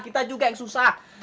kita juga yang susah